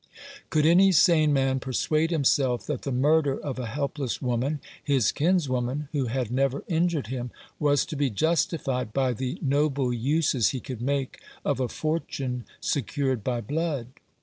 Could any sane man persuade himself that the murder of a helpless woman, his kinswoman, who had never injured him, was to be justified by the noble uses he could make of a fortune secured by blood